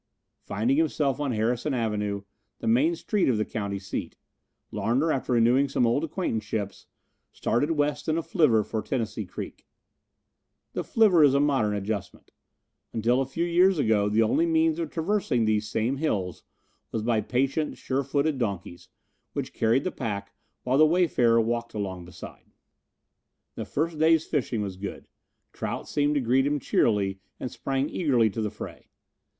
Finding himself on Harrison Avenue, the main street of the county seat, Larner, after renewing some old acquaintanceships, started west in a flivver for Tennessee Creek. The flivver is a modern adjustment. Until a few years ago the only means of traversing these same hills was by patient, sure footed donkeys, which carried the pack while the wayfarer walked along beside. The first day's fishing was good. Trout seemed to greet him cheerily and sprang eagerly to the fray.